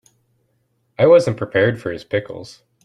I wasn't prepared for his pickles.